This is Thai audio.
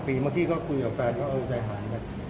เมื่อกี้ก็คุยกับแฟนก็เอาใจหาย